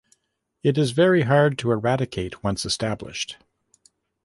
It is very hard to eradicate once established.